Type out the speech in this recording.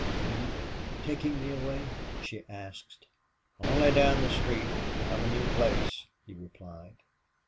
"Are you taking me away?" she asked. "Only down the street. I've a new place," he replied.